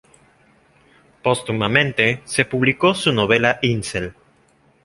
Póstumamente, se publicó su novela "Insel".